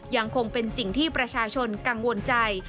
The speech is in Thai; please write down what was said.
ยังคงเป็นสิ่งที่ประชาชนกังวลใจ